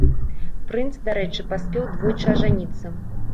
Прынц, дарэчы, паспеў двойчы ажаніцца.